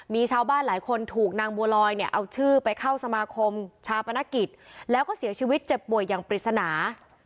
มีชาวบ้านหลายคนถูกนางบัวลอยเนี่ยเอาชื่อไปเข้าสมาคมชาปนกิจแล้วก็เสียชีวิตเจ็บป่วยอย่างปริศนา